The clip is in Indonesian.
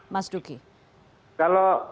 mas duki kalau